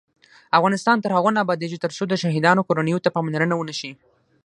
افغانستان تر هغو نه ابادیږي، ترڅو د شهیدانو کورنیو ته پاملرنه ونشي.